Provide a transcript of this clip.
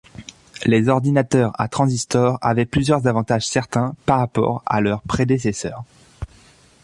Les ordinateurs à transistors avaient plusieurs avantages certains par rapport à leurs prédécesseurs.